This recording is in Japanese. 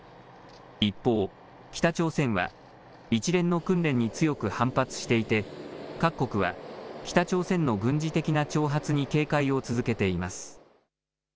一方、北朝鮮は一連の訓練に強く反発していて、各国は北朝鮮の軍事的な挑発に警戒を続けています。